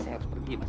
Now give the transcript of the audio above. saya harus pergi mas